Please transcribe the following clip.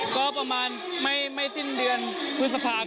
ก็ประมาณไม่สิ้นเดือนพฤษภาคม